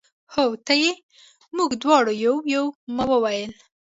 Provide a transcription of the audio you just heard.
هو ته یې، موږ دواړه یو، یو. ما وویل.